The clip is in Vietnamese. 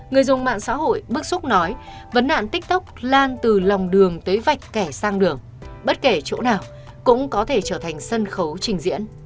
người dùng mạng xã hội bức xúc nói vấn nạn tiktok lan từ lòng đường tới vạch kẻ sang đường bất kể chỗ nào cũng có thể trở thành sân khấu trình diễn